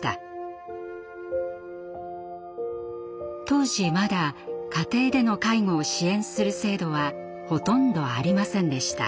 当時まだ家庭での介護を支援する制度はほとんどありませんでした。